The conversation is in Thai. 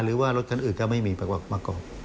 หรือว่ารถทั้งอื่นก็ไม่มีประมาทมากกว่า